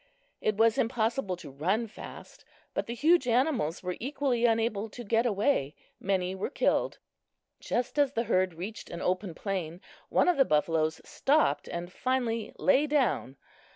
It was impossible to run fast, but the huge animals were equally unable to get away. Many were killed. Just as the herd reached an open plain one of the buffaloes stopped and finally lay down.